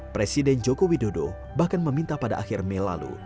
presiden joko widodo bahkan meminta pada akhir mei lalu